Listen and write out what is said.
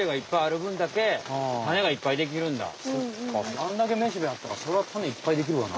あんだけめしべあったらそれはタネいっぱいできるわな。